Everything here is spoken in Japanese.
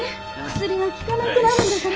薬が効かなくなるんだから。